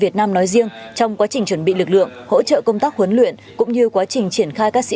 trong quá trình chuẩn bị lực lượng hỗ trợ công tác huấn luyện cũng như quá trình triển khai các sĩ